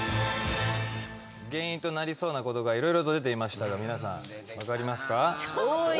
原因となりそうなことが色々と出ていましたが皆さん分かりますか？